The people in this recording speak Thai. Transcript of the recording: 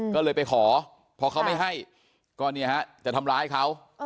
ก็เลยไปขอพอเขาไม่ให้ก็เนี่ยฮะจะทำร้ายเขา